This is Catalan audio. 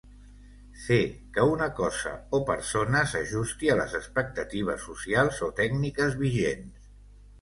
Fer que una cosa o persona s'ajusti a les expectatives socials o tècniques vigents.